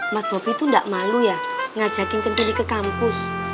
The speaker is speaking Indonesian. mas bobi itu tidak malu ya ngajakin centili ke kampus